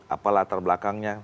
apa latar belakangnya